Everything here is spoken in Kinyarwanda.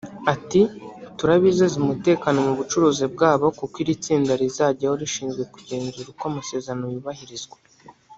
Ati”Turabizeza umutekano mu bucuruzi bwabo kuko iri tsinda rizajyaho rishinzwe kugenzura uko amasezerano yubahirizwa